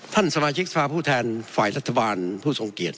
ท่านสมาชิกสภาพผู้แทนฝ่ายรัฐบาลผู้ทรงเกียจ